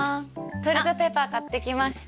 トイレットペーパー買ってきました。